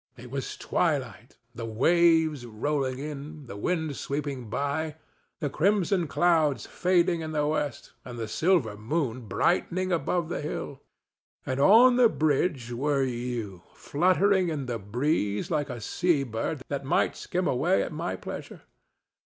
It was twilight, the waves rolling in, the wind sweeping by, the crimson clouds fading in the west and the silver moon brightening above the hill; and on the bridge were you, fluttering in the breeze like a sea bird that might skim away at your pleasure.